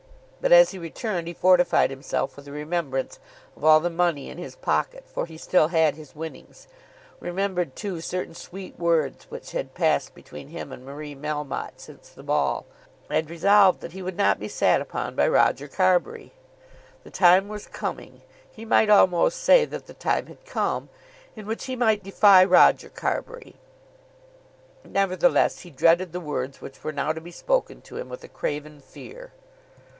But as he returned he fortified himself with the remembrance of all the money in his pocket, for he still had his winnings, remembered too certain sweet words which had passed between him and Marie Melmotte since the ball, and resolved that he would not be "sat upon" by Roger Carbury. The time was coming, he might almost say that the time had come, in which he might defy Roger Carbury. Nevertheless, he dreaded the words which were now to be spoken to him with a craven fear.